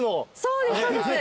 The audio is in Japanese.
そうですそうです。